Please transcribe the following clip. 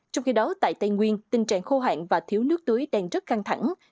trong khi đó tại tây nguyên tình trạng khô hạn và thiếu nước tưới đang rất căng thẳng